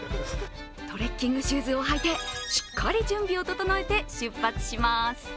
トレッキングシューズを履いて、しっかり準備を整えて出発します。